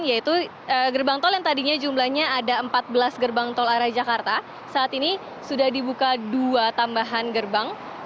yaitu gerbang tol yang tadinya jumlahnya ada empat belas gerbang tol arah jakarta saat ini sudah dibuka dua tambahan gerbang